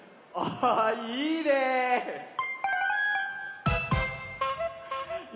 あいいね！